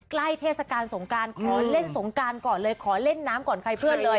เทศกาลสงการขอเล่นสงการก่อนเลยขอเล่นน้ำก่อนใครเพื่อนเลย